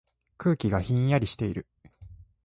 空気がひんやりしている。